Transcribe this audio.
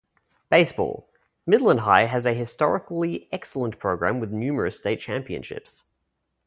"Baseball:" Midland High has a historically excellent program with numerous state championships.